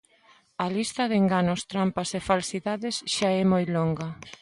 A lista de enganos, trampas e falsidades xa é moi longa.